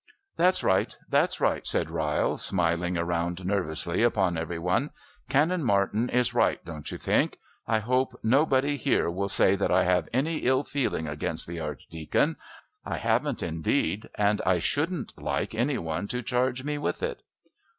"That's right. That's right," said Ryle, smiling around nervously upon every one. "Canon Martin is right, don't you think? I hope nobody here will say that I have any ill feeling against the Archdeacon. I haven't, indeed, and I shouldn't like any one to charge me with it."